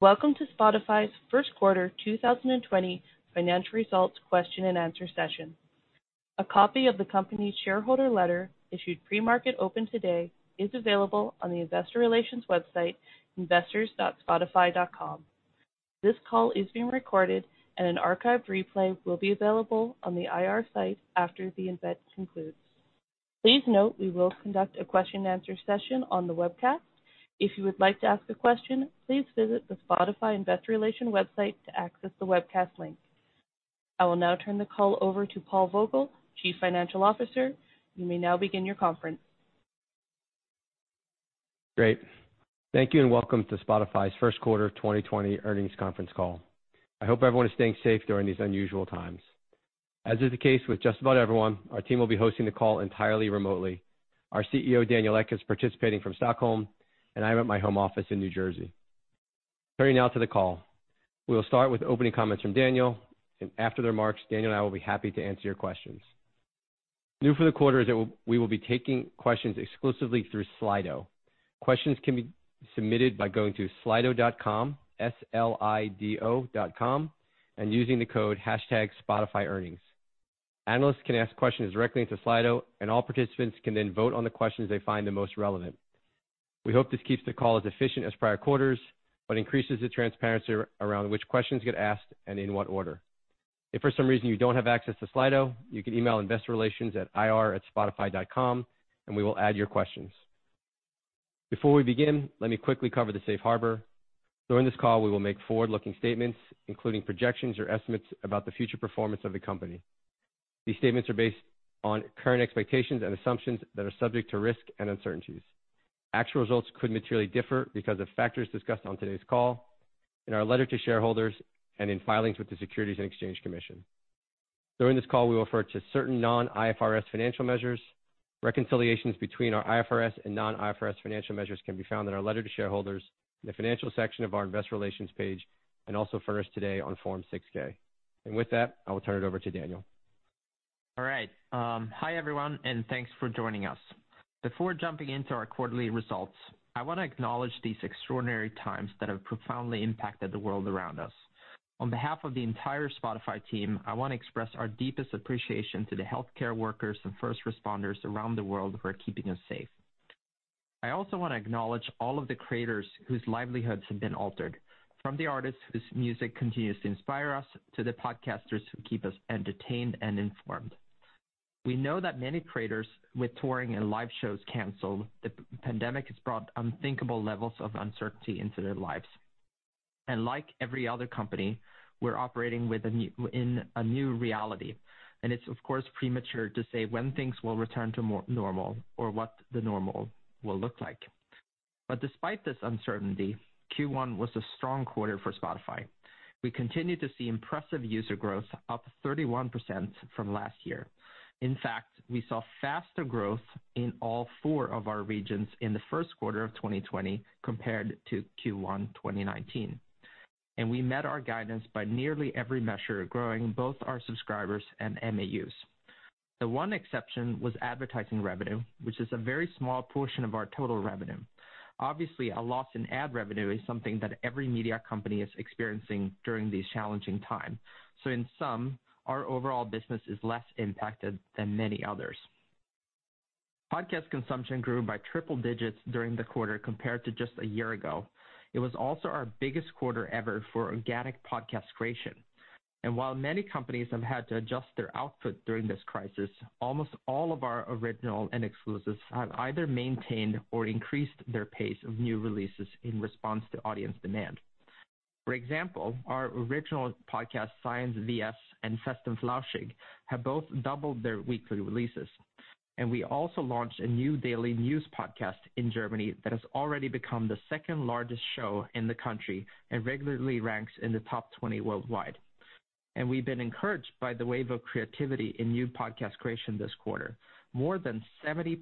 Welcome to Spotify's first quarter 2020 financial results question and answer session. A copy of the company's shareholder letter, issued pre-market open today, is available on the investor relations website, investors.spotify.com. This call is being recorded and an archived replay will be available on the IR site after the event concludes. Please note, we will conduct a question and answer session on the webcast. If you would like to ask a question, please visit the Spotify investor relations website to access the webcast link. I will now turn the call over to Paul Vogel, Chief Financial Officer. You may now begin your conference. Great. Thank you. Welcome to Spotify's first quarter 2020 earnings conference call. I hope everyone is staying safe during these unusual times. As is the case with just about everyone, our team will be hosting the call entirely remotely. Our CEO, Daniel Ek, is participating from Stockholm. I'm at my home office in New Jersey. Turning now to the call. We'll start with opening comments from Daniel. After the remarks, Daniel and I will be happy to answer your questions. New for the quarter is that we will be taking questions exclusively through Slido. Questions can be submitted by going to slido.com, S-L-I-D-O .com, and using the code #spotifyearnings. Analysts can ask questions directly into Slido. All participants can then vote on the questions they find the most relevant. We hope this keeps the call as efficient as prior quarters, but increases the transparency around which questions get asked and in what order. If for some reason you don't have access to Slido, you can email investor relations at ir@spotify.com and we will add your questions. Before we begin, let me quickly cover the safe harbor. During this call, we will make forward-looking statements, including projections or estimates about the future performance of the company. These statements are based on current expectations and assumptions that are subject to risk and uncertainties. Actual results could materially differ because of factors discussed on today's call, in our letter to shareholders, and in filings with the Securities and Exchange Commission. During this call, we will refer to certain non-IFRS financial measures. Reconciliations between our IFRS and non-IFRS financial measures can be found in our letter to shareholders in the financial section of our investor relations page, also furnished today on Form 6-K. With that, I will turn it over to Daniel. All right. Hi, everyone, and thanks for joining us. Before jumping into our quarterly results, I want to acknowledge these extraordinary times that have profoundly impacted the world around us. On behalf of the entire Spotify team, I want to express our deepest appreciation to the healthcare workers and first responders around the world who are keeping us safe. I also want to acknowledge all of the creators whose livelihoods have been altered, from the artists whose music continues to inspire us, to the podcasters who keep us entertained and informed. We know that many creators, with touring and live shows canceled, the pandemic has brought unthinkable levels of uncertainty into their lives. Like every other company, we're operating in a new reality, and it's of course premature to say when things will return to normal or what the normal will look like. Despite this uncertainty, Q1 was a strong quarter for Spotify. We continued to see impressive user growth, up 31% from last year. In fact, we saw faster growth in all four of our regions in the first quarter of 2020 compared to Q1 2019. We met our guidance by nearly every measure, growing both our subscribers and MAUs. The one exception was advertising revenue, which is a very small portion of our total revenue. Obviously, a loss in ad revenue is something that every media company is experiencing during these challenging time. In sum, our overall business is less impacted than many others. Podcast consumption grew by triple digits during the quarter compared to just a year ago. It was also our biggest quarter ever for organic podcast creation. While many companies have had to adjust their output during this crisis, almost all of our original and exclusives have either maintained or increased their pace of new releases in response to audience demand. For example, our original podcast, "Science Vs" and "Fest & Flauschig" have both doubled their weekly releases. We also launched a new daily news podcast in Germany that has already become the second-largest show in the country and regularly ranks in the top 20 worldwide. We've been encouraged by the wave of creativity in new podcast creation this quarter. More than 70%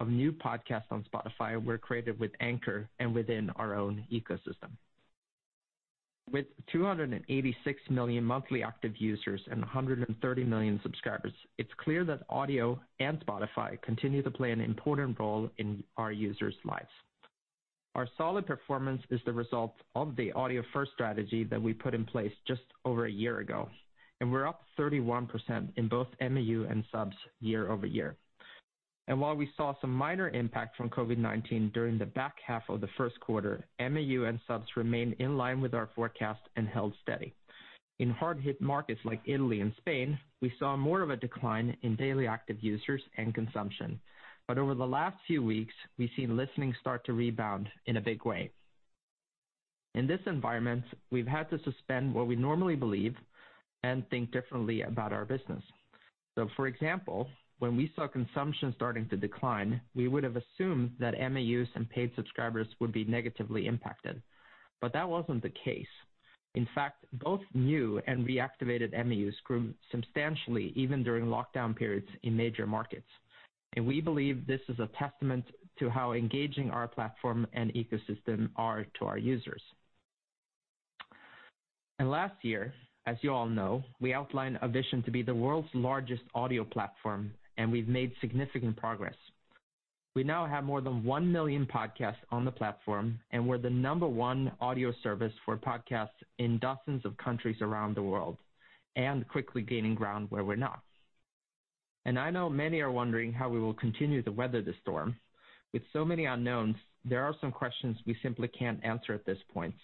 of new podcasts on Spotify were created with Anchor and within our own ecosystem. With 286 million monthly active users and 130 million subscribers, it's clear that audio and Spotify continue to play an important role in our users' lives. Our solid performance is the result of the audio-first strategy that we put in place just over a year ago, and we're up 31% in both MAU and subs year-over-year. While we saw some minor impact from COVID-19 during the back half of the first quarter, MAU and subs remained in line with our forecast and held steady. In hard-hit markets like Italy and Spain, we saw more of a decline in daily active users and consumption. Over the last few weeks, we've seen listening start to rebound in a big way. In this environment, we've had to suspend what we normally believe and think differently about our business. For example, when we saw consumption starting to decline, we would have assumed that MAUs and paid subscribers would be negatively impacted. That wasn't the case. In fact, both new and reactivated MAUs grew substantially even during lockdown periods in major markets. We believe this is a testament to how engaging our platform and ecosystem are to our users. Last year, as you all know, we outlined a vision to be the world's largest audio platform, and we've made significant progress. We now have more than 1 million podcasts on the platform, and we're the number one audio service for podcasts in dozens of countries around the world, and quickly gaining ground where we're not. I know many are wondering how we will continue to weather the storm. With so many unknowns, there are some questions we simply can't answer at this point.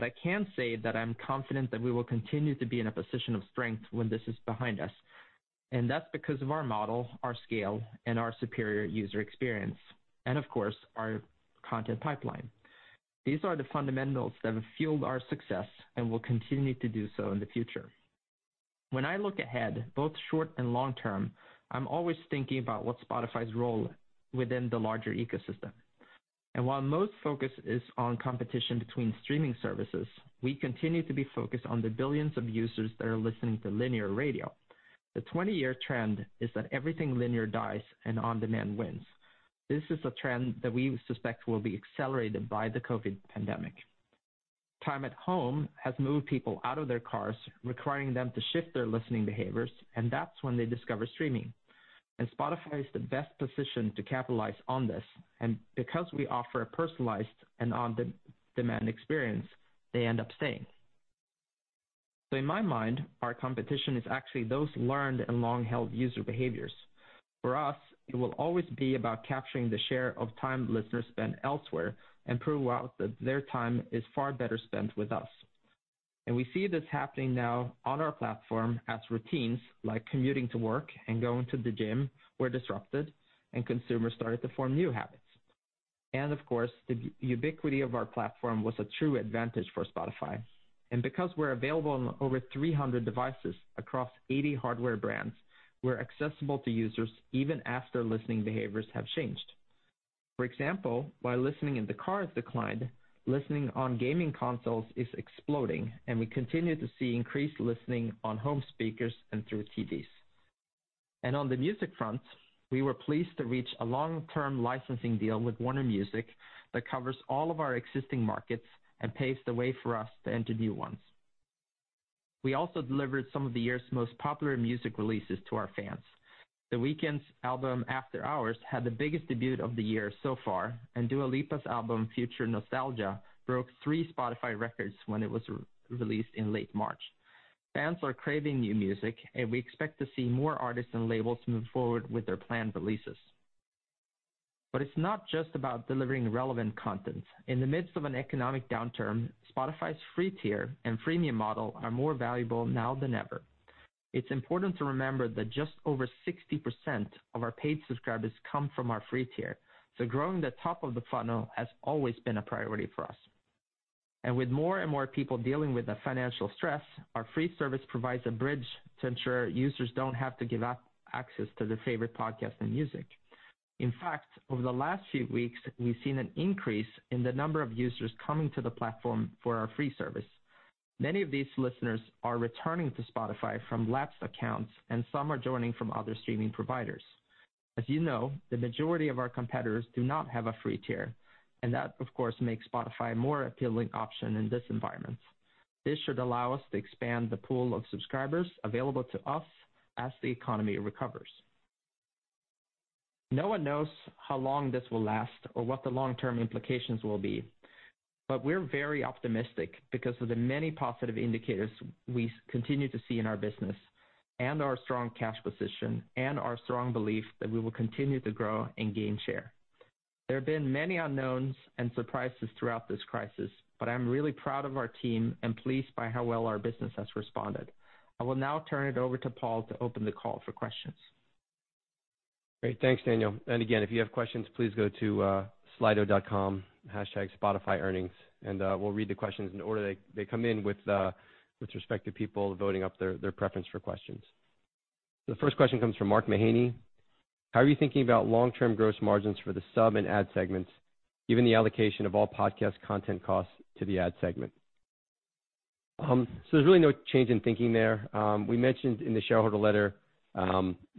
I can say that I'm confident that we will continue to be in a position of strength when this is behind us. That's because of our model, our scale, and our superior user experience, and of course, our content pipeline. These are the fundamentals that have fueled our success and will continue to do so in the future. When I look ahead, both short and long term, I'm always thinking about what Spotify's role within the larger ecosystem. While most focus is on competition between streaming services, we continue to be focused on the billions of users that are listening to linear radio. The 20-year trend is that everything linear dies and on-demand wins. This is a trend that we suspect will be accelerated by the COVID pandemic. Time at home has moved people out of their cars, requiring them to shift their listening behaviors, that's when they discover streaming. Spotify is the best position to capitalize on this. Because we offer a personalized and on-demand experience, they end up staying. In my mind, our competition is actually those learned and long-held user behaviors. For us, it will always be about capturing the share of time listeners spend elsewhere and prove that their time is far better spent with us. We see this happening now on our platform as routines like commuting to work and going to the gym were disrupted and consumers started to form new habits. Of course, the ubiquity of our platform was a true advantage for Spotify. Because we're available on over 300 devices across 80 hardware brands, we're accessible to users even after listening behaviors have changed. For example, while listening in the car has declined, listening on gaming consoles is exploding, and we continue to see increased listening on home speakers and through TVs. On the music front, we were pleased to reach a long-term licensing deal with Warner Music that covers all of our existing markets and paves the way for us to enter new ones. We also delivered some of the year's most popular music releases to our fans. The Weeknd's album, "After Hours," had the biggest debut of the year so far, and Dua Lipa's album, "Future Nostalgia," broke three Spotify records when it was released in late March. Fans are craving new music, and we expect to see more artists and labels move forward with their planned releases. It's not just about delivering relevant content. In the midst of an economic downturn, Spotify's free tier and freemium model are more valuable now than ever. It's important to remember that just over 60% of our paid subscribers come from our free tier. Growing the top of the funnel has always been a priority for us. With more and more people dealing with the financial stress, our free service provides a bridge to ensure users don't have to give up access to their favorite podcast and music. In fact, over the last few weeks, we've seen an increase in the number of users coming to the platform for our free service. Many of these listeners are returning to Spotify from lapsed accounts, and some are joining from other streaming providers. As you know, the majority of our competitors do not have a free tier, and that of course, makes Spotify a more appealing option in this environment. This should allow us to expand the pool of subscribers available to us as the economy recovers. No one knows how long this will last or what the long-term implications will be, but we're very optimistic because of the many positive indicators we continue to see in our business and our strong cash position and our strong belief that we will continue to grow and gain share. There have been many unknowns and surprises throughout this crisis, but I'm really proud of our team and pleased by how well our business has responded. I will now turn it over to Paul to open the call for questions. Great. Thanks, Daniel. If you have questions, please go to slido.com, #Spotifyearnings, and we'll read the questions in the order they come in with respect to people voting up their preference for questions. The first question comes from Mark Mahaney. "How are you thinking about long-term gross margins for the sub and ad segments, given the allocation of all podcast content costs to the ad segment?" There's really no change in thinking there. We mentioned in the shareholder letter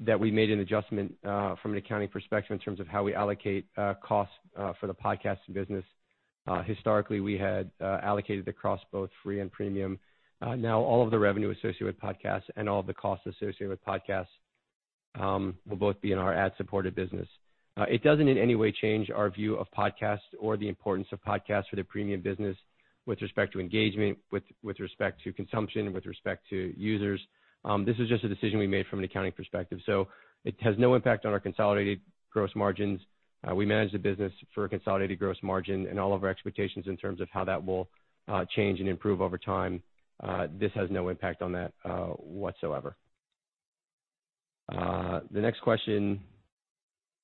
that we made an adjustment from an accounting perspective in terms of how we allocate costs for the podcasts business. Historically, we had allocated across both free and Premium. Now all of the revenue associated with podcasts and all of the costs associated with podcasts will both be in our ad-supported business. It doesn't in any way change our view of podcasts or the importance of podcasts for the premium business with respect to engagement, with respect to consumption, with respect to users. This is just a decision we made from an accounting perspective. It has no impact on our consolidated gross margins. We manage the business for a consolidated gross margin and all of our expectations in terms of how that will change and improve over time. This has no impact on that whatsoever. The next question,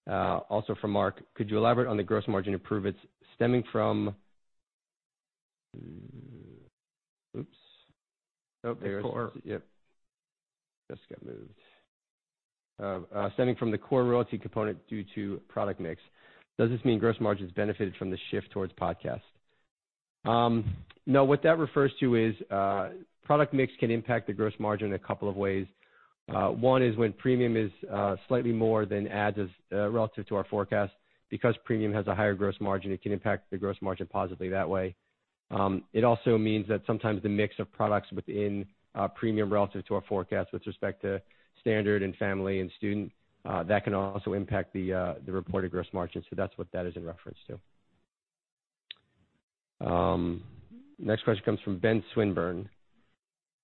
also from Mark. "Could you elaborate on the gross margin improvements stemming from" Oops. There it is. Yep. Just got moved. "the core royalty component due to product mix? Does this mean gross margins benefited from the shift towards podcasts?" No, what that refers to is product mix can impact the gross margin a couple of ways. One is when Premium is slightly more than Ads relative to our forecast. Premium has a higher gross margin, it can impact the gross margin positively that way. It also means that sometimes the mix of products within Premium relative to our forecast with respect to Standard and Family and Student, that can also impact the reported gross margin. That's what that is in reference to. Next question comes from Benjamin Swinburne.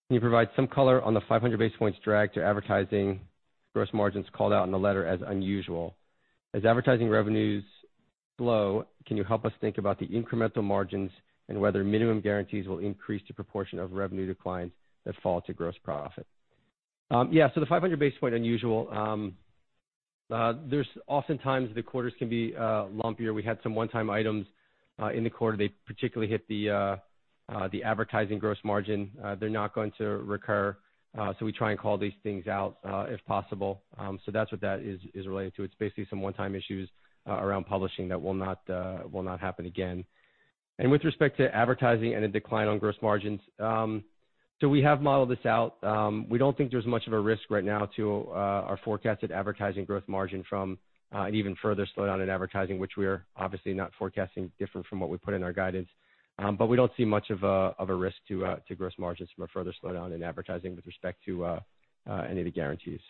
"Can you provide some color on the 500 basis points drag to Advertising gross margins called out in the letter as unusual? As advertising revenues slow, can you help us think about the incremental margins and whether minimum guarantees will increase the proportion of revenue declines that fall to gross profit? The 500 basis points unusual, there's oftentimes the quarters can be lumpier. We had some one-time items in the quarter. They particularly hit the advertising gross margin. They're not going to recur. We try and call these things out, if possible. That's what that is related to. It's basically some one-time issues around publishing that will not happen again. With respect to advertising and a decline on gross margins, we have modeled this out. We don't think there's much of a risk right now to our forecasted advertising gross margin from an even further slowdown in advertising, which we are obviously not forecasting different from what we put in our guidance. We don't see much of a risk to gross margins from a further slowdown in advertising with respect to any of the guarantees.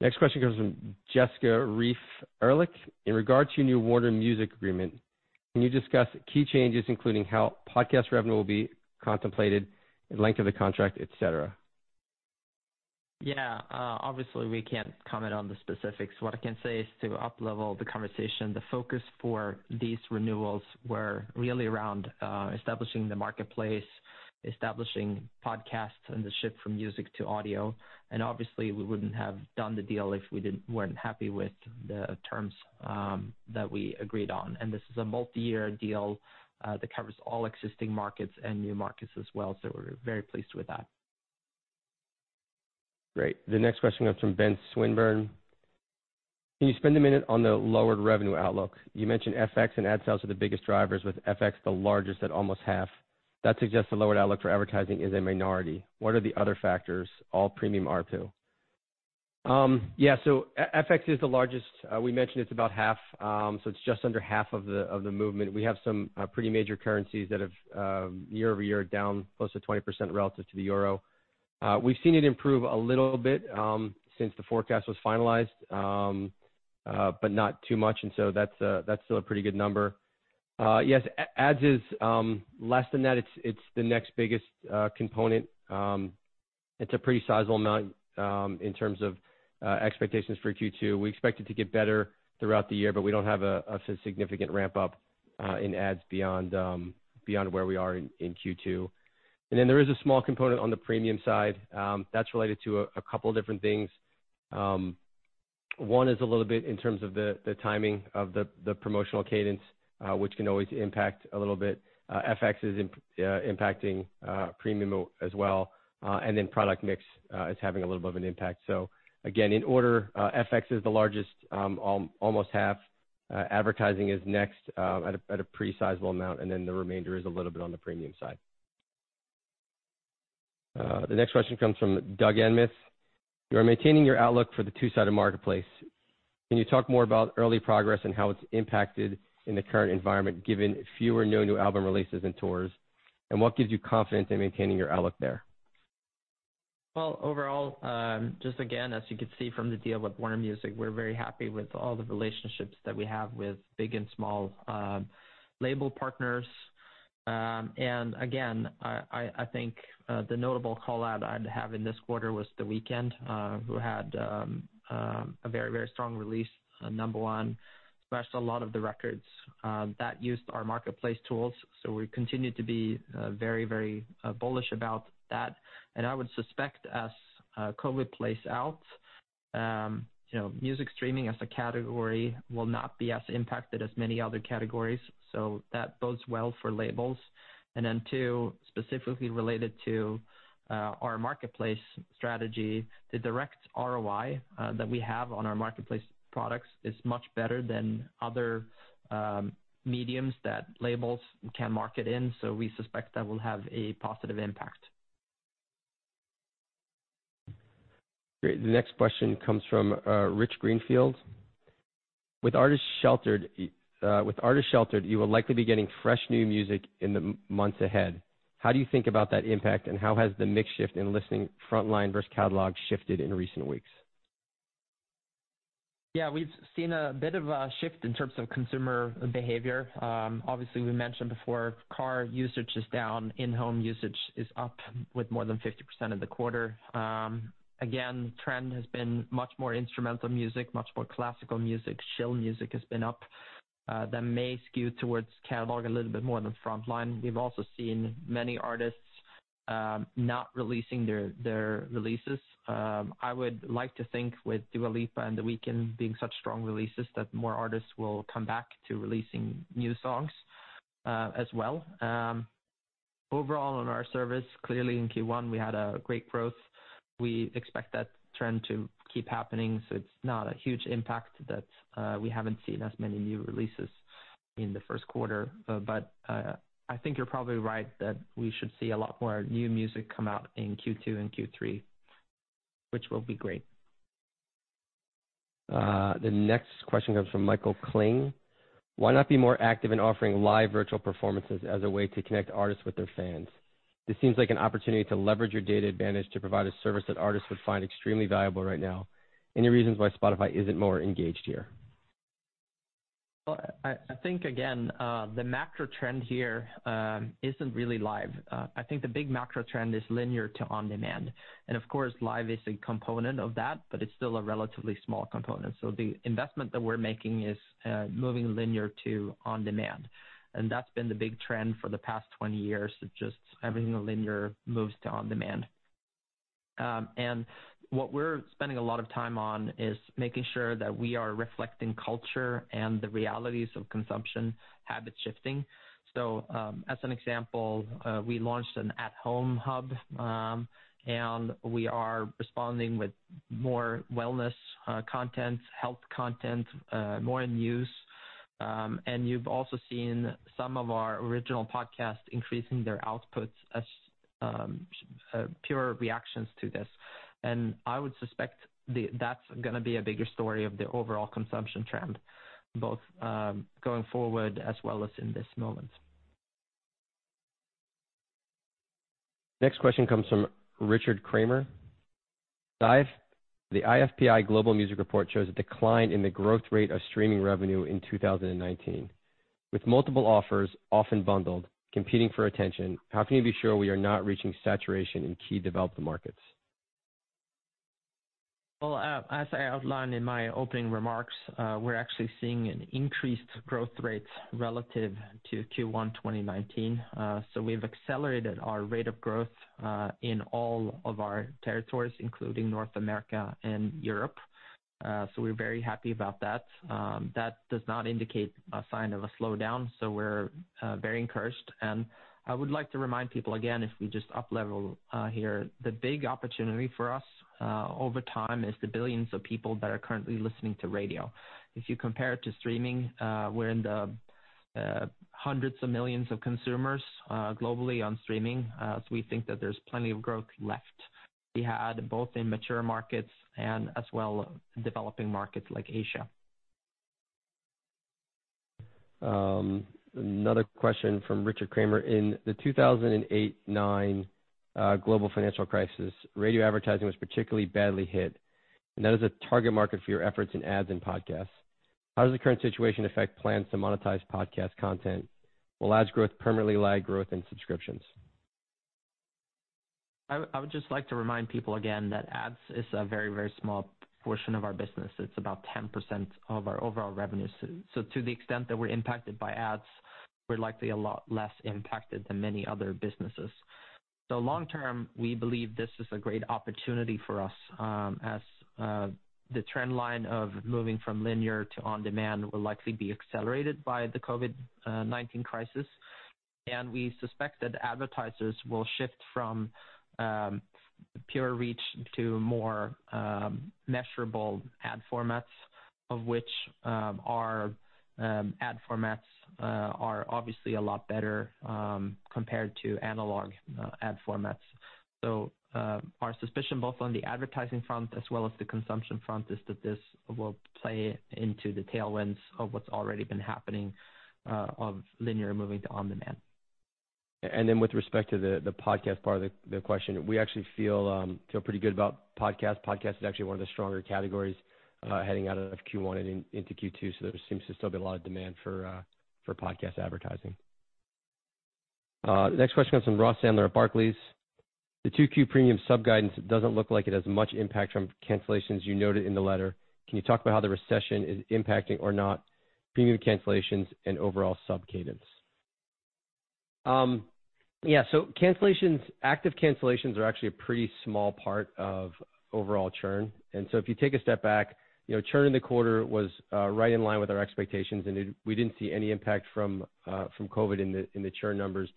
Next question comes from Jessica Reif Ehrlich. In regard to your new Warner Music agreement, can you discuss key changes, including how podcast revenue will be contemplated, the length of the contract, et cetera? Yeah. Obviously, we can't comment on the specifics. What I can say is to uplevel the conversation, the focus for these renewals were really around establishing the marketplace, establishing podcasts, and the shift from music to audio. Obviously, we wouldn't have done the deal if we weren't happy with the terms that we agreed on. This is a multi-year deal that covers all existing markets and new markets as well. We're very pleased with that. Great. The next question comes from Benjamin Swinburne. "Can you spend a minute on the lowered revenue outlook? You mentioned FX and ad sales are the biggest drivers, with FX the largest at almost half. That suggests a lowered outlook for advertising is a minority. What are the other factors, all premium ARPU?" Yeah. FX is the largest. We mentioned it's about half, so it's just under half of the movement. We have some pretty major currencies that have year-over-year down close to 20% relative to the euro. We've seen it improve a little bit since the forecast was finalized, but not too much. That's still a pretty good number. Yes, ads is less than that. It's the next biggest component. It's a pretty sizable amount in terms of expectations for Q2. We expect it to get better throughout the year. We don't have a significant ramp-up in ads beyond where we are in Q2. There is a small component on the premium side. That's related to a couple of different things. One is a little bit in terms of the timing of the promotional cadence, which can always impact a little bit. FX is impacting premium as well, and then product mix is having a little bit of an impact. Again, in order, FX is the largest, almost half. Advertising is next at a pretty sizable amount, and then the remainder is a little bit on the premium side. The next question comes from Douglas Anmuth. "You are maintaining your outlook for the two-sided marketplace. Can you talk more about early progress and how it's impacted in the current environment, given few or no new album releases and tours? What gives you confidence in maintaining your outlook there? Well, overall, just again, as you could see from the deal with Warner Music, we're very happy with all the relationships that we have with big and small label partners. Again, I think the notable call-out I'd have in this quarter was The Weeknd, who had a very strong release, a number one, smashed a lot of the records that used our marketplace tools. We continue to be very bullish about that. I would suspect as COVID plays out, music streaming as a category will not be as impacted as many other categories, so that bodes well for labels. Then two, specifically related to our marketplace strategy, the direct ROI that we have on our marketplace products is much better than other mediums that labels can market in. We suspect that will have a positive impact. Great. The next question comes from Richard Greenfield. "With artists sheltered, you will likely be getting fresh new music in the months ahead. How do you think about that impact, and how has the mix shift in listening frontline versus catalog shifted in recent weeks? Yeah. We've seen a bit of a shift in terms of consumer behavior. Obviously, we mentioned before car usage is down, in-home usage is up with more than 50% of the quarter. Again, trend has been much more instrumental music, much more classical music. Chill music has been up. That may skew towards catalog a little bit more than frontline. We've also seen many artists not releasing their releases. I would like to think with Dua Lipa and The Weeknd being such strong releases, that more artists will come back to releasing new songs as well. Overall, on our service, clearly in Q1, we had a great growth. We expect that trend to keep happening, so it's not a huge impact that we haven't seen as many new releases in the first quarter. I think you're probably right that we should see a lot more new music come out in Q2 and Q3, which will be great. The next question comes from Michael Kling. Why not be more active in offering live virtual performances as a way to connect artists with their fans? This seems like an opportunity to leverage your data advantage to provide a service that artists would find extremely valuable right now. Any reasons why Spotify isn't more engaged here? Well, I think, again, the macro trend here isn't really live. I think the big macro trend is linear to on-demand. Of course, live is a component of that, but it's still a relatively small component. The investment that we're making is moving linear to on-demand. That's been the big trend for the past 20 years, is just everything linear moves to on-demand. What we're spending a lot of time on is making sure that we are reflecting culture and the realities of consumption habits shifting. As an example, we launched an at-home hub, and we are responding with more wellness content, health content, more in use. You've also seen some of our original podcasts increasing their outputs as pure reactions to this. I would suspect that's going to be a bigger story of the overall consumption trend, both going forward as well as in this moment. Next question comes from Richard Kramer. Daniel, the IFPI global music report shows a decline in the growth rate of streaming revenue in 2019, with multiple offers often bundled competing for attention. How can you be sure we are not reaching saturation in key developed markets? Well, as I outlined in my opening remarks, we're actually seeing an increased growth rate relative to Q1 2019. We've accelerated our rate of growth, in all of our territories, including North America and Europe. We're very happy about that. That does not indicate a sign of a slowdown, so we're very encouraged. I would like to remind people again, if we just up level, here. The big opportunity for us, over time, is the billions of people that are currently listening to radio. If you compare it to streaming, we're in the hundreds of millions of consumers globally on streaming. We think that there's plenty of growth left. We had both in mature markets and as well developing markets like Asia. Another question from Richard Kramer. In the 2008/2009 global financial crisis, radio advertising was particularly badly hit. That is a target market for your efforts in ads and podcasts. How does the current situation affect plans to monetize podcast content? Will ads growth permanently lag growth in subscriptions? I would just like to remind people again that ads is a very small portion of our business. It's about 10% of our overall revenue. To the extent that we're impacted by ads, we're likely a lot less impacted than many other businesses. Long term, we believe this is a great opportunity for us, as the trend line of moving from linear to on-demand will likely be accelerated by the COVID-19 crisis. We suspect that advertisers will shift from pure reach to more measurable ad formats, of which our ad formats are obviously a lot better compared to analog ad formats. Our suspicion, both on the advertising front as well as the consumption front, is that this will play into the tailwinds of what's already been happening, of linear moving to on-demand. With respect to the podcast part of the question, we actually feel pretty good about podcasts. Podcast is actually one of the stronger categories heading out of Q1 and into Q2. There seems to still be a lot of demand for podcast advertising. Next question comes from Ross Sandler at Barclays. The 2Q premium sub guidance doesn't look like it has much impact from cancellations as you noted in the letter. Can you talk about how the recession is impacting or not premium cancellations and overall sub cadence? Cancellations, active cancellations, are actually a pretty small part of overall churn. If you take a step back, churn in the quarter was right in line with our expectations, and we didn't see any impact from COVID-19 in the churn numbers.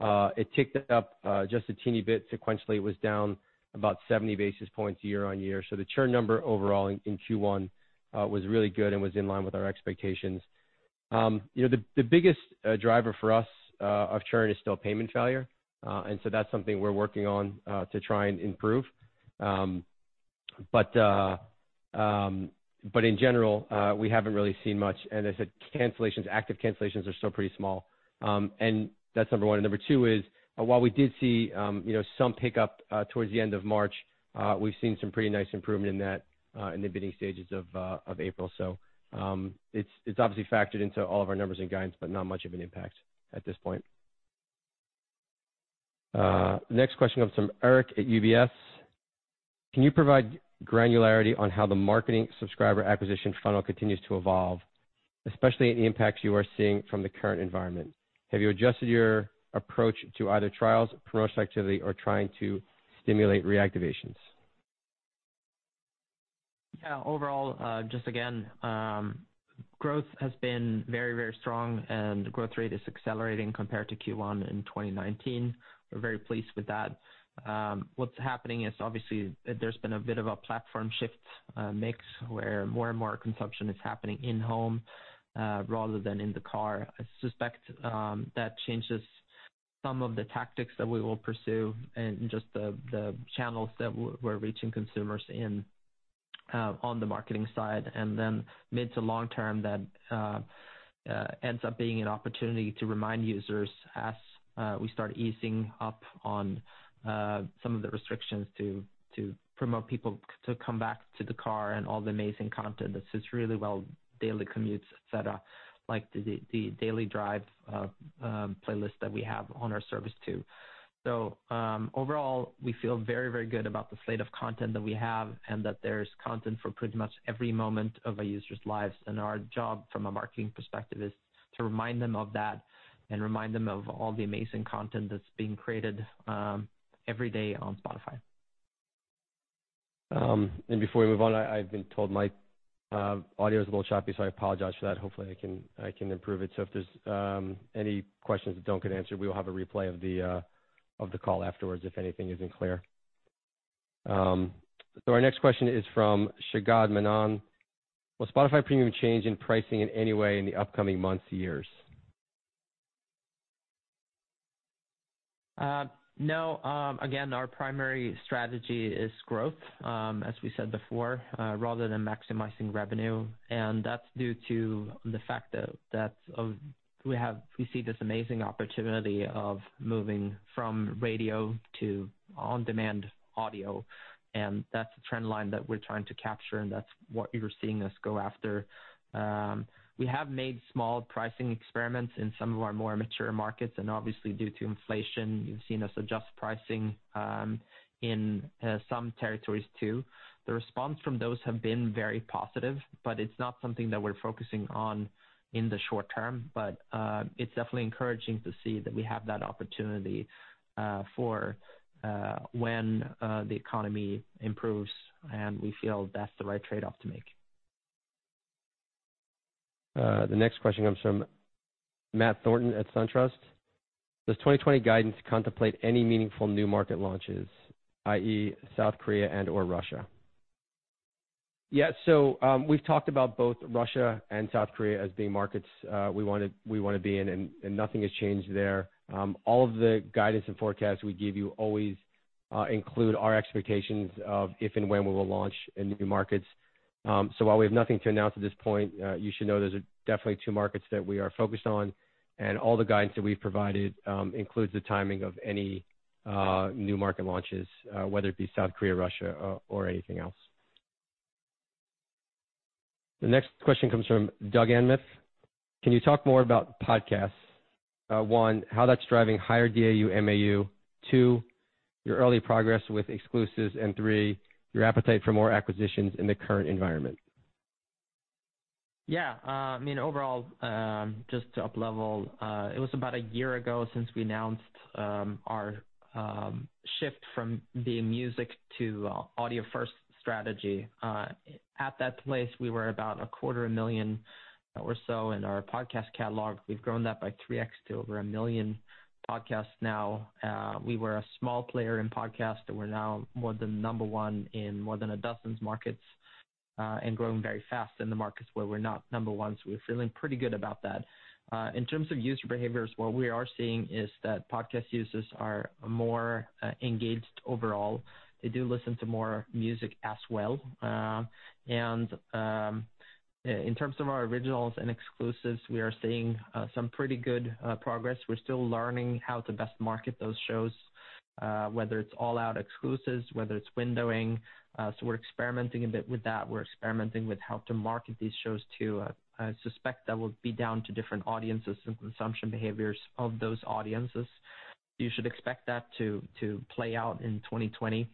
It ticked up just a teeny bit sequentially. It was down about 70 basis points year-on-year. The churn number overall in Q1 was really good and was in line with our expectations. The biggest driver for us of churn is still payment failure. That's something we're working on to try and improve. In general, we haven't really seen much. As I said, cancellations, active cancellations, are still pretty small. That's number one. Number two is, while we did see some pick up towards the end of March, we've seen some pretty nice improvement in that in the beginning stages of April. It's obviously factored into all of our numbers and guidance, but not much of an impact at this point. Next question comes from Eric at UBS. Can you provide granularity on how the marketing subscriber acquisition funnel continues to evolve, especially any impacts you are seeing from the current environment? Have you adjusted your approach to either trials, promotional activity, or trying to stimulate reactivations? Yeah, overall, just again, growth has been very strong. Growth rate is accelerating compared to Q1 in 2019. We're very pleased with that. What's happening is obviously there's been a bit of a platform shift mix where more and more consumption is happening in home, rather than in the car. I suspect that changes some of the tactics that we will pursue, just the channels that we're reaching consumers in on the marketing side. Mid to long term, that ends up being an opportunity to remind users as we start easing up on some of the restrictions to promote people to come back to the car and all the amazing content that suits really well, daily commutes, et cetera, like the Daily Drive playlist that we have on our service too. Overall, we feel very, very good about the slate of content that we have, and that there's content for pretty much every moment of a user's lives. Our job from a marketing perspective is to remind them of that and remind them of all the amazing content that's being created every day on Spotify. Before we move on, I've been told my audio is a little choppy, so I apologize for that. Hopefully, I can improve it. If there's any questions that don't get answered, we will have a replay of the call afterwards, if anything is unclear. Our next question is from Shagad Manan. "Will Spotify Premium change in pricing in any way in the upcoming months, years? No. Again, our primary strategy is growth, as we said before, rather than maximizing revenue. That's due to the fact that we see this amazing opportunity of moving from radio to on-demand audio, and that's the trend line that we're trying to capture, and that's what you're seeing us go after. We have made small pricing experiments in some of our more mature markets, and obviously, due to inflation, you've seen us adjust pricing in some territories too. The response from those have been very positive, but it's not something that we're focusing on in the short term. It's definitely encouraging to see that we have that opportunity for when the economy improves, and we feel that's the right trade-off to make. The next question comes from Matt Thornton at SunTrust. "Does 2020 guidance contemplate any meaningful new market launches, i.e., South Korea and/or Russia?" Yeah. We've talked about both Russia and South Korea as being markets we want to be in, and nothing has changed there. All of the guidance and forecasts we give you always include our expectations of if and when we will launch in new markets. While we have nothing to announce at this point, you should know those are definitely two markets that we are focused on, and all the guidance that we've provided includes the timing of any new market launches, whether it be South Korea, Russia, or anything else. The next question comes from Douglas Anmuth. "Can you talk more about podcasts? One, how that's driving higher DAU, MAU. Two, your early progress with exclusives, and three, your appetite for more acquisitions in the current environment. Overall, just to up level, it was about a year ago since we announced our shift from being music to audio first strategy. At that place, we were about a quarter a million or so in our podcast catalog. We've grown that by 3x to over 1 million podcasts now. We were a small player in podcasts. We're now more than number one in more than a dozen markets, growing very fast in the markets where we're not number one. We're feeling pretty good about that. In terms of user behaviors, what we are seeing is that podcast users are more engaged overall. They do listen to more music as well. In terms of our originals and exclusives, we are seeing some pretty good progress. We're still learning how to best market those shows, whether it's all out exclusives, whether it's windowing. We're experimenting a bit with that. We're experimenting with how to market these shows too. I suspect that will be down to different audiences and consumption behaviors of those audiences. You should expect that to play out in 2020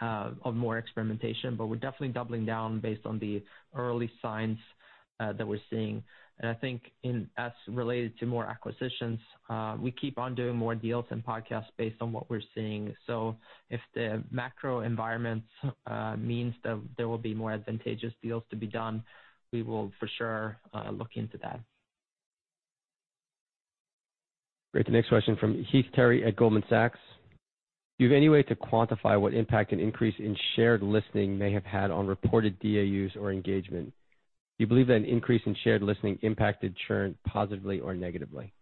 of more experimentation. We're definitely doubling down based on the early signs that we're seeing. I think in us related to more acquisitions, we keep on doing more deals and podcasts based on what we're seeing. If the macro environment means that there will be more advantageous deals to be done, we will for sure look into that. Great. The next question from Heath Terry at Goldman Sachs. "Do you have any way to quantify what impact an increase in shared listening may have had on reported DAUs or engagement? Do you believe that an increase in shared listening impacted churn positively or negatively?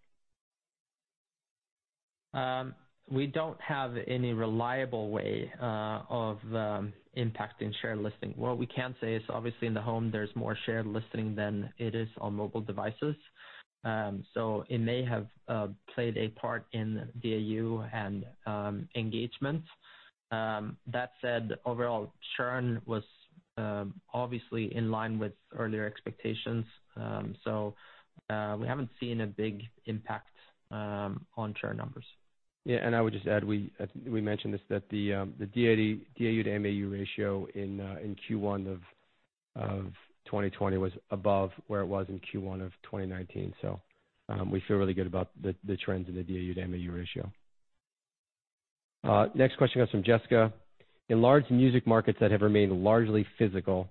We don't have any reliable way of impacting shared listening. What we can say is obviously in the home, there's more shared listening than it is on mobile devices. It may have played a part in DAU and engagement. That said, overall churn was obviously in line with earlier expectations. We haven't seen a big impact on churn numbers. Yeah, I would just add, we mentioned this, that the DAU to MAU ratio in Q1 of 2020 was above where it was in Q1 of 2019. We feel really good about the trends in the DAU to MAU ratio. Next question comes from Jessica. "In large music markets that have remained largely physical,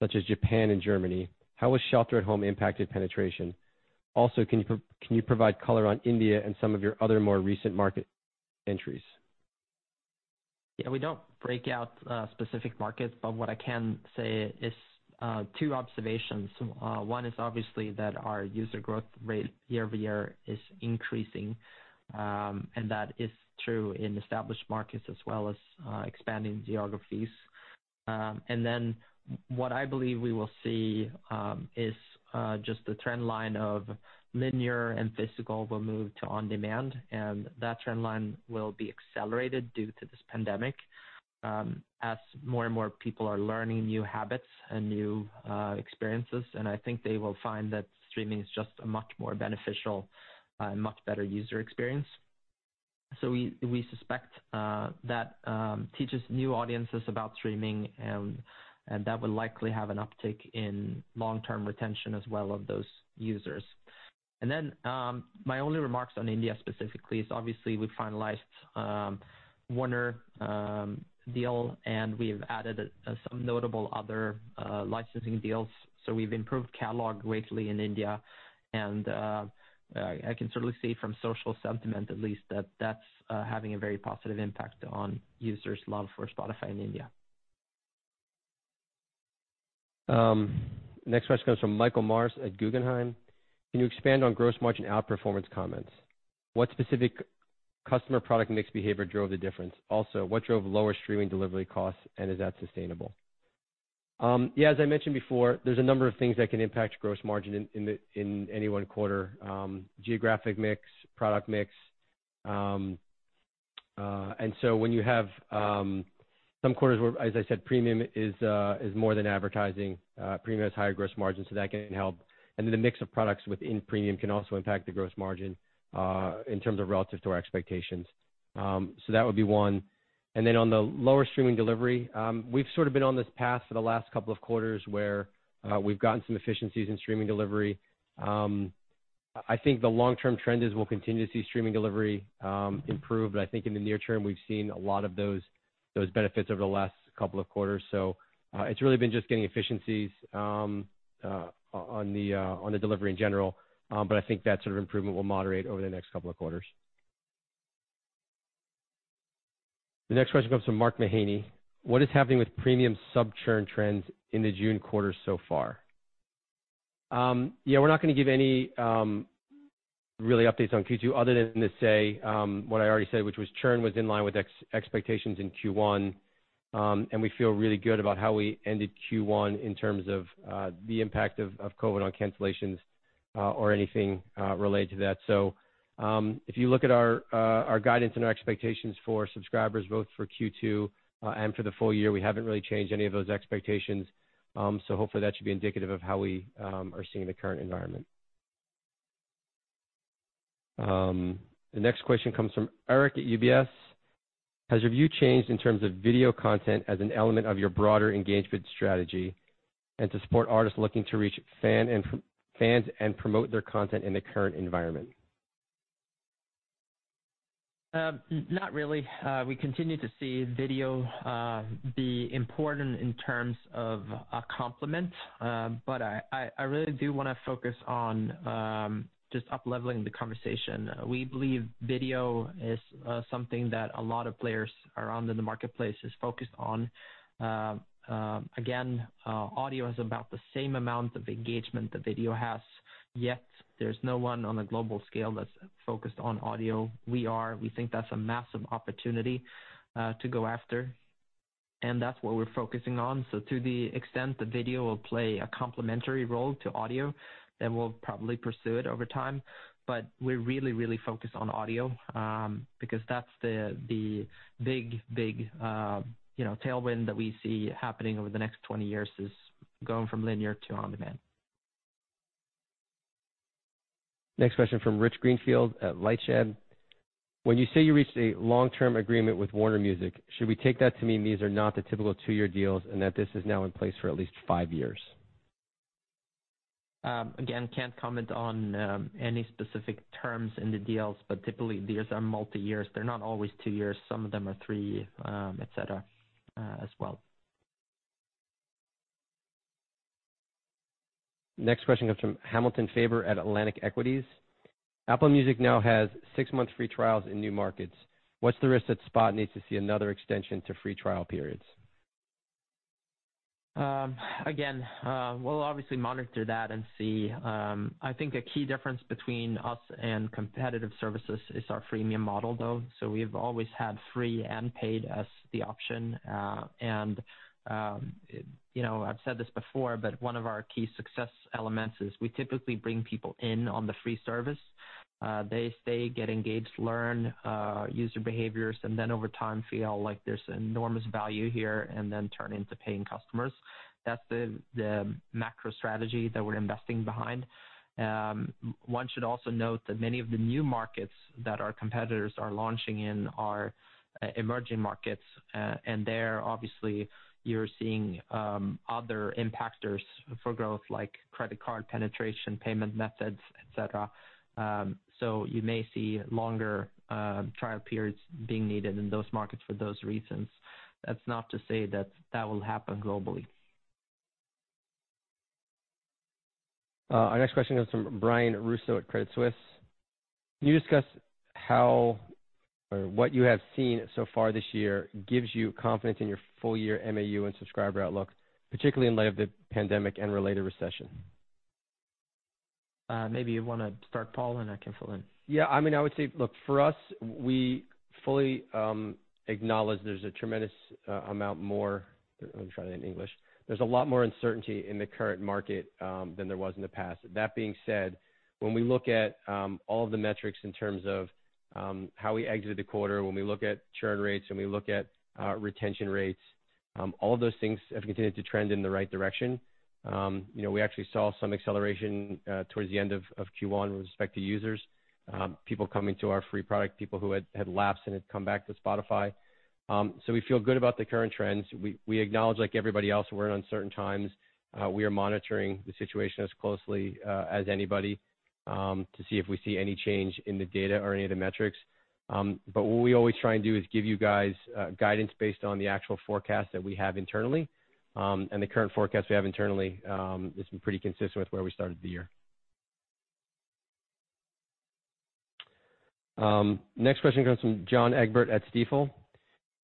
such as Japan and Germany, how has shelter at home impacted penetration? Can you provide color on India and some of your other more recent market entries? Yeah, we don't break out specific markets, but what I can say is two observations. One is obviously that our user growth rate year-over-year is increasing. That is true in established markets as well as expanding geographies. What I believe we will see is just the trend line of linear and physical will move to on-demand. That trend line will be accelerated due to this pandemic as more and more people are learning new habits and new experiences. I think they will find that streaming is just a much more beneficial and much better user experience. We suspect that teaches new audiences about streaming. That will likely have an uptick in long-term retention as well of those users. My only remarks on India specifically is obviously we finalized Warner deal. We've added some notable other licensing deals. We've improved catalog greatly in India, and I can certainly see from social sentiment at least that's having a very positive impact on users' love for Spotify in India. Next question comes from Michael Morris at Guggenheim. Can you expand on gross margin outperformance comments? What specific customer product mix behavior drove the difference? What drove lower streaming delivery costs, and is that sustainable? As I mentioned before, there's a number of things that can impact gross margin in any one quarter, geographic mix, product mix. When you have some quarters where, as I said, Premium is more than advertising. Premium has higher gross margin, so that can help. The mix of products within Premium can also impact the gross margin in terms of relative to our expectations. That would be one. On the lower streaming delivery, we've sort of been on this path for the last couple of quarters where we've gotten some efficiencies in streaming delivery. I think the long-term trend is we'll continue to see streaming delivery improve. I think in the near term, we've seen a lot of those benefits over the last couple of quarters. It's really been just getting efficiencies on the delivery in general. I think that sort of improvement will moderate over the next couple of quarters. The next question comes from Mark Mahaney. What is happening with Premium sub churn trends in the June quarter so far? We're not going to give any really updates on Q2 other than to say what I already said, which was churn was in line with expectations in Q1. We feel really good about how we ended Q1 in terms of the impact of COVID on cancellations or anything related to that. If you look at our guidance and our expectations for subscribers both for Q2 and for the full year, we haven't really changed any of those expectations. Hopefully that should be indicative of how we are seeing the current environment. The next question comes from Eric at UBS. Has your view changed in terms of video content as an element of your broader engagement strategy and to support artists looking to reach fans and promote their content in the current environment? Not really. We continue to see video be important in terms of a complement. I really do want to focus on just upleveling the conversation. We believe video is something that a lot of players around in the marketplace is focused on. Audio has about the same amount of engagement that video has, yet there's no one on a global scale that's focused on audio. We are. We think that's a massive opportunity to go after, and that's what we're focusing on. To the extent that video will play a complementary role to audio, then we'll probably pursue it over time. We're really, really focused on audio because that's the big tailwind that we see happening over the next 20 years, is going from linear to on-demand. Next question from Rich Greenfield at LightShed. When you say you reached a long-term agreement with Warner Music, should we take that to mean these are not the typical two-year deals and that this is now in place for at least five years? Again, can't comment on any specific terms in the deals, but typically, these are multi-years. They're not always two years. Some of them are three, et cetera as well. Next question comes from Hamilton Faber at Atlantic Equities. Apple Music now has six-month free trials in new markets. What's the risk that Spotify needs to see another extension to free trial periods? We'll obviously monitor that and see. I think a key difference between us and competitive services is our freemium model, though. We've always had free and paid as the option. I've said this before, but one of our key success elements is we typically bring people in on the free service. They stay, get engaged, learn user behaviors, and then over time feel like there's enormous value here and then turn into paying customers. That's the macro strategy that we're investing behind. One should also note that many of the new markets that our competitors are launching in are emerging markets. There, obviously, you're seeing other impactors for growth, like credit card penetration, payment methods, et cetera. You may see longer trial periods being needed in those markets for those reasons. That's not to say that that will happen globally. Our next question comes from Brian Russo at Credit Suisse. Can you discuss what you have seen so far this year gives you confidence in your full-year MAU and subscriber outlook, particularly in light of the pandemic and related recession? Maybe you want to start, Paul, and I can fill in. Yeah, I would say, look, for us, we fully acknowledge there is a lot more uncertainty in the current market than there was in the past. That being said, when we look at all of the metrics in terms of how we exited the quarter, when we look at churn rates and we look at retention rates, all of those things have continued to trend in the right direction. We actually saw some acceleration towards the end of Q1 with respect to users. People coming to our free product, people who had lapsed and had come back to Spotify. We feel good about the current trends. We acknowledge, like everybody else, we are in uncertain times. We are monitoring the situation as closely as anybody to see if we see any change in the data or any of the metrics. What we always try and do is give you guys guidance based on the actual forecast that we have internally. The current forecast we have internally has been pretty consistent with where we started the year. Next question comes from John Egbert at Stifel.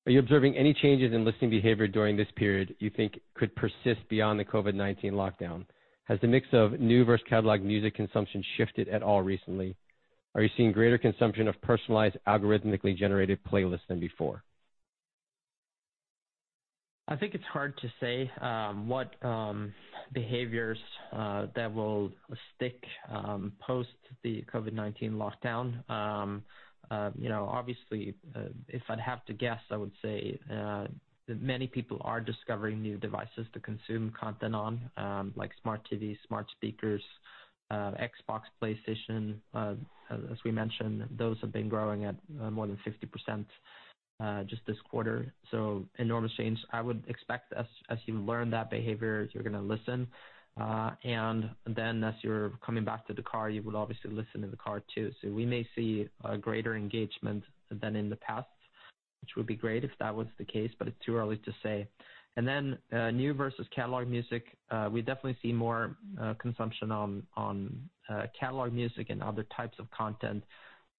Are you observing any changes in listening behavior during this period you think could persist beyond the COVID-19 lockdown? Has the mix of new versus catalog music consumption shifted at all recently? Are you seeing greater consumption of personalized, algorithmically generated playlists than before? I think it's hard to say what behaviors that will stick post the COVID-19 lockdown. Obviously, if I'd have to guess, I would say that many people are discovering new devices to consume content on, like smart TVs, smart speakers, Xbox, PlayStation. As we mentioned, those have been growing at more than 60% just this quarter, so enormous change. I would expect as you learn that behavior, you're going to listen, and then as you're coming back to the car, you would obviously listen in the car, too. We may see a greater engagement than in the past, which would be great if that was the case, but it's too early to say. New versus catalog music, we definitely see more consumption on catalog music and other types of content.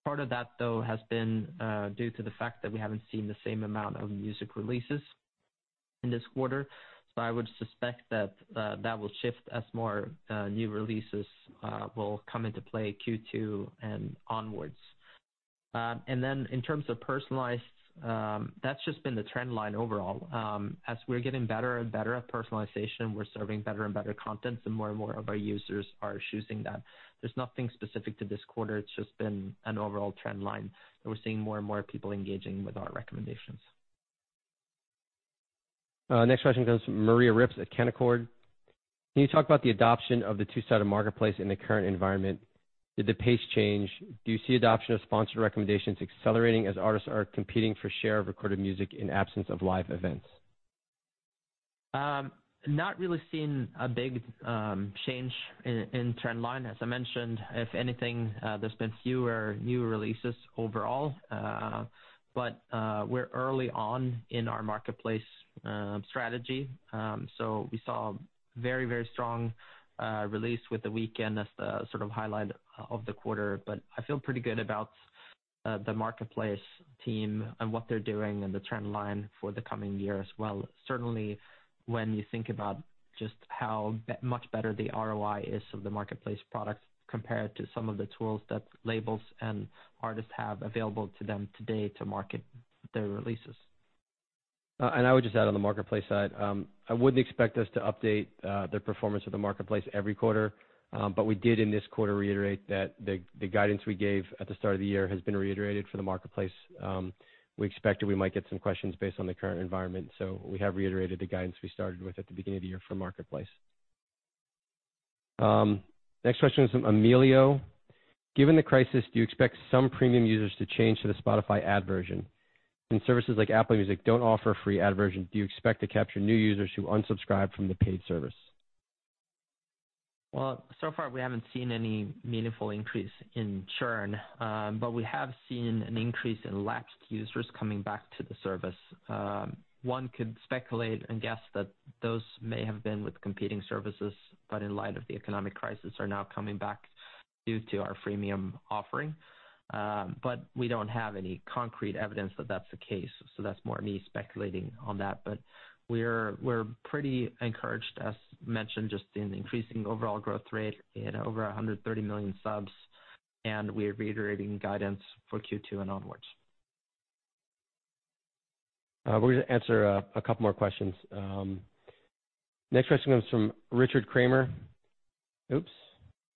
Part of that, though, has been due to the fact that we haven't seen the same amount of music releases in this quarter. I would suspect that that will shift as more new releases will come into play Q2 and onwards. In terms of personalized, that's just been the trend line overall. As we're getting better and better at personalization, we're serving better and better content, so more and more of our users are choosing that. There's nothing specific to this quarter. It's just been an overall trend line that we're seeing more and more people engaging with our recommendations. Next question comes from Maria Ripps at Canaccord. Can you talk about the adoption of the two-sided marketplace in the current environment? Did the pace change? Do you see adoption of sponsored recommendations accelerating as artists are competing for share of recorded music in absence of live events? Not really seeing a big change in trend line. As I mentioned, if anything, there's been fewer new releases overall. We're early on in our marketplace strategy. We saw very strong release with The Weeknd as the sort of highlight of the quarter. I feel pretty good about the marketplace team and what they're doing and the trend line for the coming year as well. Certainly, when you think about just how much better the ROI is of the marketplace products compared to some of the tools that labels and artists have available to them today to market their releases. I would just add on the marketplace side, I wouldn't expect us to update the performance of the marketplace every quarter. We did in this quarter reiterate that the guidance we gave at the start of the year has been reiterated for the marketplace. We expected we might get some questions based on the current environment, so we have reiterated the guidance we started with at the beginning of the year for marketplace. Next question is from Emilio. Given the crisis, do you expect some premium users to change to the Spotify ad version? When services like Apple Music don't offer a free ad version, do you expect to capture new users who unsubscribe from the paid service? Well, so far, we haven't seen any meaningful increase in churn. We have seen an increase in lapsed users coming back to the service. One could speculate and guess that those may have been with competing services, but in light of the economic crisis, are now coming back due to our freemium offering. We don't have any concrete evidence that that's the case. That's more me speculating on that. We're pretty encouraged, as mentioned, just in the increasing overall growth rate in over 130 million subs, and we're reiterating guidance for Q2 and onwards. We're going to answer a couple more questions. Next question comes from Richard Kramer. Oops.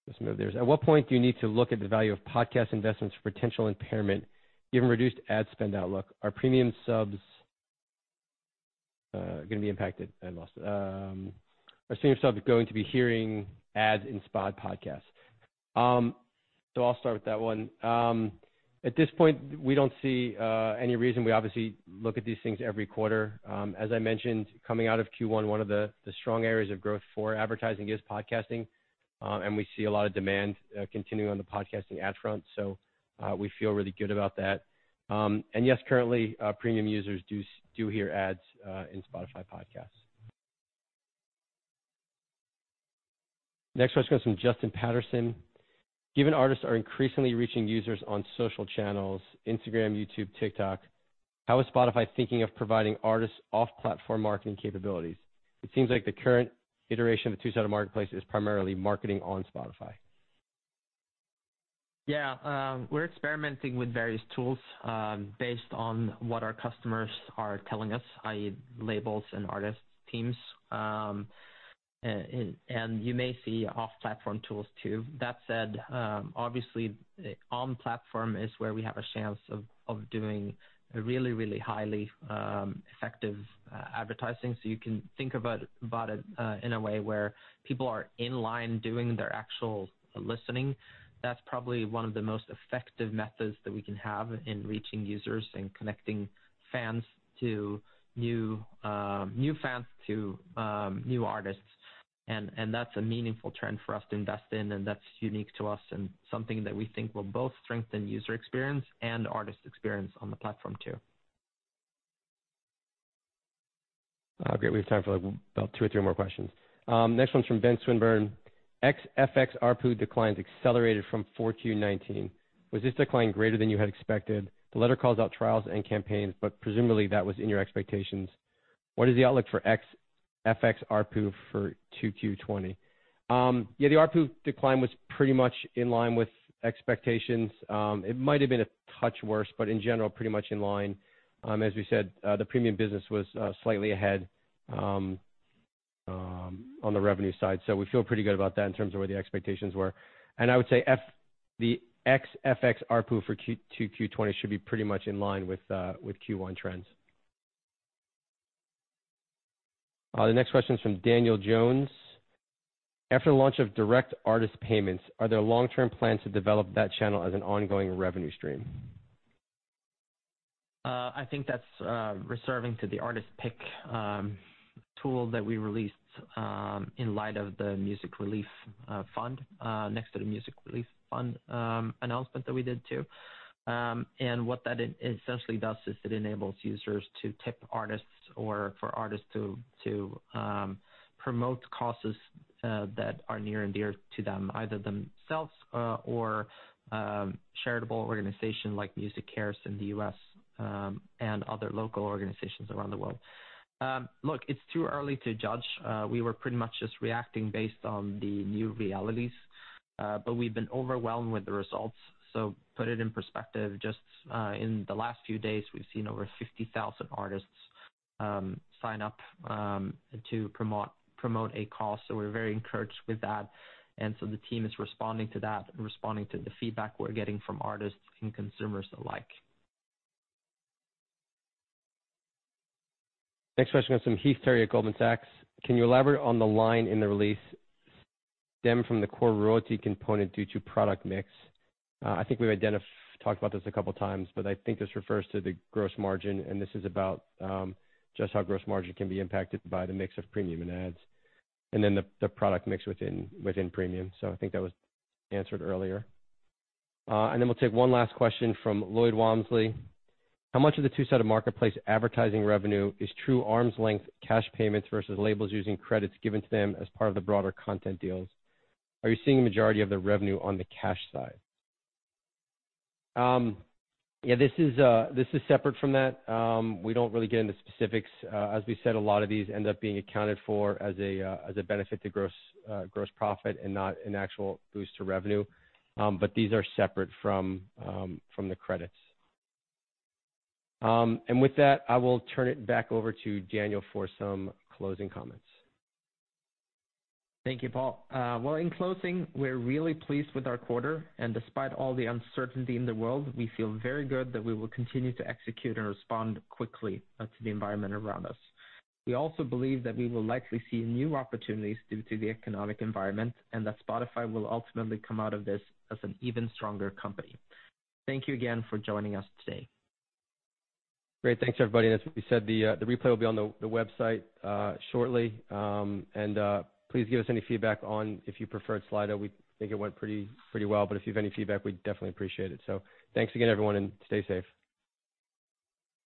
Let's move theirs. At what point do you need to look at the value of podcast investments for potential impairment given reduced ad spend outlook? Are Premium subs going to be impacted-- I lost it. Are Premium subs going to be hearing ads in Spotify podcasts? I'll start with that one. At this point, we don't see any reason. We obviously look at these things every quarter. As I mentioned, coming out of Q1, one of the strong areas of growth for advertising is podcasting, and we see a lot of demand continuing on the podcasting ad front. We feel really good about that. Yes, currently, Premium users do hear ads in Spotify podcasts. Next question is from Justin Patterson. Given artists are increasingly reaching users on social channels, Instagram, YouTube, TikTok, how is Spotify thinking of providing artists off-platform marketing capabilities? It seems like the current iteration of the two-sided marketplace is primarily marketing on Spotify. Yeah. We're experimenting with various tools based on what our customers are telling us, i.e., labels and artist teams. You may see off-platform tools too. That said, obviously, on-platform is where we have a chance of doing a really, really highly effective advertising. You can think about it in a way where people are in line doing their actual listening. That's probably one of the most effective methods that we can have in reaching users and connecting new fans to new artists, and that's a meaningful trend for us to invest in, and that's unique to us and something that we think will both strengthen user experience and artist experience on the platform too. Oh, great. We have time for about two or three more questions. Next one's from Benjamin Swinburne. "Ex FX ARPU declines accelerated from 4Q19. Was this decline greater than you had expected? The letter calls out trials and campaigns, presumably, that was in your expectations. What is the outlook for Ex FX ARPU for 2Q20?" Yeah, the ARPU decline was pretty much in line with expectations. It might've been a touch worse, but in general, pretty much in line. As we said, the premium business was slightly ahead on the revenue side, so we feel pretty good about that in terms of where the expectations were. I would say the Ex FX ARPU for 2Q20 should be pretty much in line with Q1 trends. The next question is from Daniel Jones. After the launch of direct artist payments, are there long-term plans to develop that channel as an ongoing revenue stream? I think that's reserving to the Artist Pick tool that we released in light of the Music Relief Fund, next to the Music Relief Fund announcement that we did too. What that essentially does is it enables users to tip artists or for artists to promote causes that are near and dear to them, either themselves or a charitable organization like MusiCares in the U.S., and other local organizations around the world. Look, it's too early to judge. We were pretty much just reacting based on the new realities. We've been overwhelmed with the results. Put it in perspective, just in the last few days, we've seen over 50,000 artists sign up to promote a cause, so we're very encouraged with that. The team is responding to that and responding to the feedback we're getting from artists and consumers alike. Next question comes from Heath Terry at Goldman Sachs. "Can you elaborate on the line in the release stem from the core royalty component due to product mix?" I think we've talked about this a couple of times, but I think this refers to the gross margin, and this is about just how gross margin can be impacted by the mix of premium and ads. The product mix within premium, so I think that was answered earlier. We'll take one last question from Lloyd Walmsley. "How much of the two-sided marketplace advertising revenue is true arm's length cash payments versus labels using credits given to them as part of the broader content deals? Are you seeing a majority of the revenue on the cash side?" Yeah, this is separate from that. We don't really get into specifics. As we said, a lot of these end up being accounted for as a benefit to gross profit and not an actual boost to revenue. These are separate from the credits. With that, I will turn it back over to Daniel for some closing comments. Thank you, Paul. Well, in closing, we're really pleased with our quarter, and despite all the uncertainty in the world, we feel very good that we will continue to execute and respond quickly to the environment around us. We also believe that we will likely see new opportunities due to the economic environment, and that Spotify will ultimately come out of this as an even stronger company. Thank you again for joining us today. Great. Thanks, everybody. As we said, the replay will be on the website shortly. Please give us any feedback on if you preferred Slido. We think it went pretty well, but if you have any feedback, we'd definitely appreciate it. Thanks again, everyone, and stay safe.